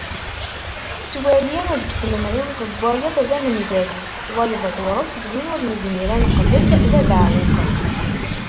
Tettwali deg tmenɣiwt n wayeḍ d anemgal-is: wayeḍ ɣur-s, d win ur nezmir ad neqbel, d abeɛɛuq.